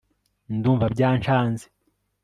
ndumva byancanze